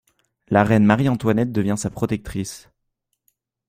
La reine Marie-Antoinette devient sa protectrice.